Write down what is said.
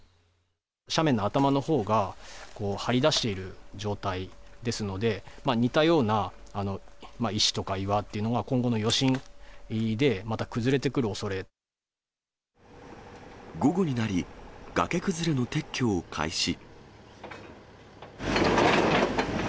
斜面の頭のほうが、張り出している状態ですので、似たような石とか岩っていうのが今後の余震でまた崩れてくるおそ午後になり、崖崩れの撤去を開始。